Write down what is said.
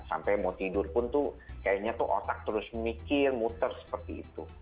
sampai mau tidur pun tuh kayaknya tuh otak terus mikir muter seperti itu